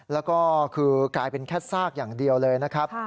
แล้วก็คือกลายเป็นแค่ซากอย่างเดียวเลยนะครับ